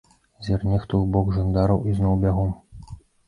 Зірне хто ў бок жандараў і зноў бягом.